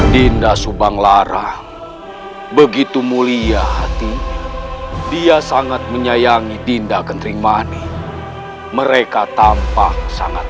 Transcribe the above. dinda subang lara begitu mulia hati dia sangat menyayangi dinda kentring mani mereka tampak sangat